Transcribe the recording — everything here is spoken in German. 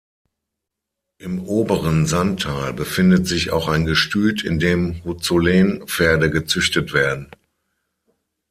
Im oberen Santal befindet sich auch ein Gestüt, in dem Huzulen-Pferde gezüchtet werden.